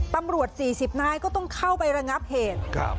ตำรวจ๔๐นายก็ต้องเข้าไประงับเหตุ